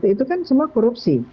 itu kan semua korupsi